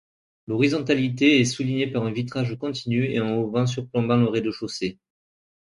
L’horizontalité est soulignée par un vitrage continu et un auvent surplombant le rez-de-chaussée.